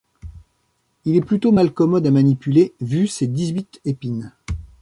Il est plutôt malcommode à manipuler vu ses dix-huit épines.